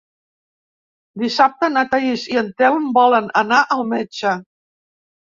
Dissabte na Thaís i en Telm volen anar al metge.